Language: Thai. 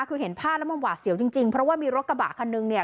คือเห็นภาพแล้วมันหวาดเสียวจริงจริงเพราะว่ามีรถกระบะคันนึงเนี่ย